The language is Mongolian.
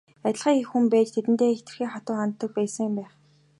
Адилхан эх хүн байж тэдэндээ хэтэрхий хатуу ханддаг байсан байх.